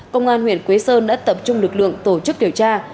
công an huyện quế sơn đã tập trung lực lượng tổ chức điều tra